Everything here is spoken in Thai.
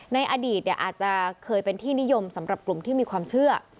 ในอดีตอาจจะเคยเป็นที่นิยมสำหรับกลุ่มที่มีความเชื่อ